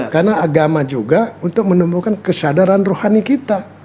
karena agama juga untuk menemukan kesadaran rohani kita